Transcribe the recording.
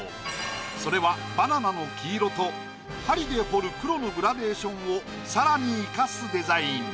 それはバナナの黄色と針で彫る黒のグラデーションを更に活かすデザイン。